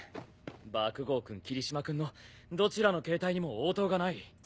爆豪君切島君のどちらのケータイにも応答がない。